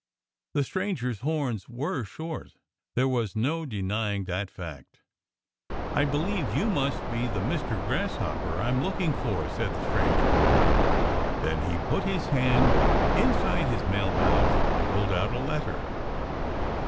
The stranger's horns were short. There was no denying that fact. "I believe you must be the Mr. Grasshopper I'm looking for," said the stranger. Then he put his hand inside his mail pouch and pulled out a letter.